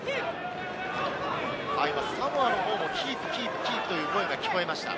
サモアのほうもキープという声が聞こえました。